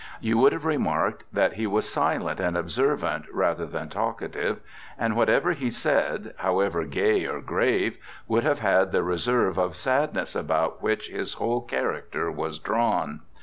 You would have remarked that he was silent and observant rather than talkative; and whatever he said, however gay or grave, would have had the reserve of sadness upon which his whole character was drawn.